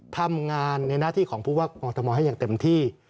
ทำงานในหน้าที่ของผู้ว่ากอทมให้อย่างเต็มที่